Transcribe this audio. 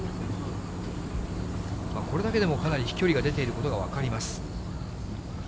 これだけでもかなり飛距離が出ていることが分かります。